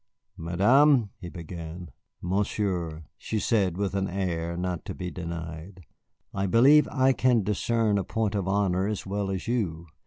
"Madame " he began. "Monsieur," she said, with an air not to be denied, "I believe I can discern a point of honor as well as you.